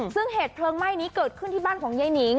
ซึ่งเหตุเพลิงไหม้นี้เกิดขึ้นที่บ้านของยายนิง